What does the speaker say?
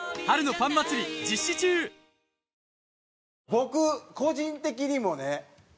僕個人的にもね